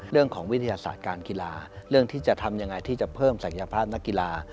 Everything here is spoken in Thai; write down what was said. วิทยาศาสตร์การกีฬาเรื่องที่จะทำยังไงที่จะเพิ่มศักยภาพนักกีฬา